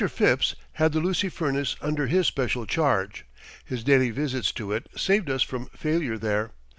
Phipps had the Lucy Furnace under his special charge. His daily visits to it saved us from failure there.